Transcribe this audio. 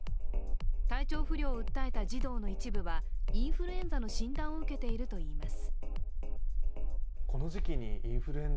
体調不良を訴えた児童の一部はインフルエンザの診断を受けているといいます。